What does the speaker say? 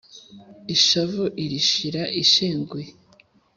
Ishavu irishira ishenguye